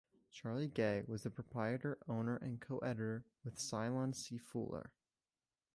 Charlie Gay was the proprietor, owner, and co-editor with Ceylon C. Fuller.